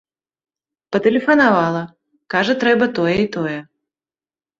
Патэлефанавала, кажа, трэба тое і тое.